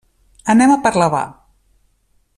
Anem a Parlavà.